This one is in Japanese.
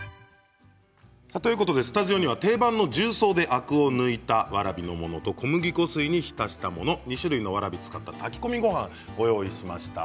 さあということでスタジオには定番の重曹でアクを抜いたわらびのものと小麦粉水に浸したもの２種類のわらび使った炊き込みごはんご用意しました。